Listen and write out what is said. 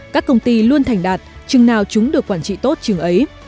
các công ty luôn thành đạt chừng nào chúng được quản trị tốt chừng ấy